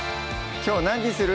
きょう何にする？